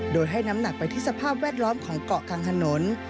โดยให้น้ำหนักไปที่สภาพแวดล้อมของเกาะกลางถนน